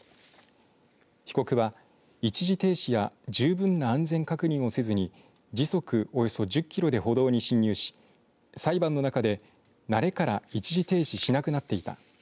被告は、一時停止や十分な安全確認をせずに時速およそ１０キロで歩道に侵入し裁判の中で、慣れから一時停止しなくなっていた。